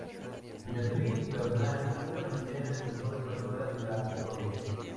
Beatriz Bernal fue la primera escritora española de la historia.